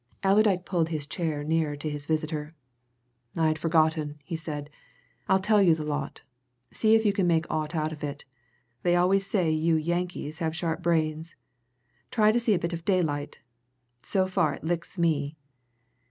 Allerdyke pulled his chair nearer to his visitor. "I'd forgotten," he said. "I'll tell you the lot. See if you can make aught out of it they always say you Yankees have sharp brains. Try to see a bit of daylight! So far it licks me."